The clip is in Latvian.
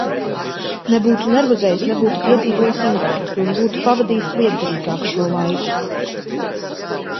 Nebūtu nervozējis, nebūtu piedzīvojis infarktu un būtu pavadījis lietderīgāk šo laiku.